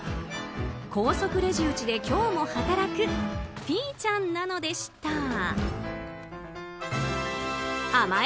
高速レジ打ちで今日も働くピーちゃんなのでした。